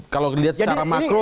kalau dilihat secara makro